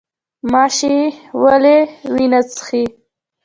ماشی ولې وینه څښي؟